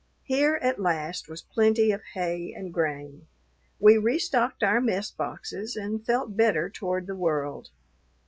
Here at last was plenty of hay and grain; we restocked our mess boxes and felt better toward the world.